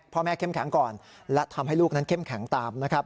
พ่อแม่เข้มแข็งก่อนและทำให้ลูกนั้นเข้มแข็งตาม